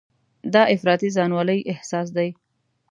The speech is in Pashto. دا افراطي ځانولۍ احساس دی.